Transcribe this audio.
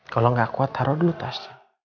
kalau nggak kuat taruh dulu tasnya